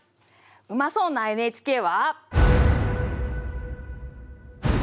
うまそうな「ＮＨＫ」は。